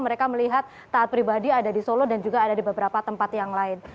mereka melihat taat pribadi ada di solo dan juga ada di beberapa tempat yang lain